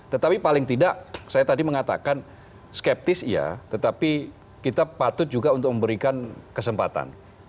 tetapi paling tidak saya tadi mengatakan skeptis iya tetapi kita patut juga untuk memberikan kesempatan